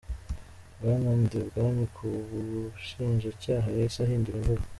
Bwana Ndibwami ku bushinjacyaha yahise ahindura imvugo.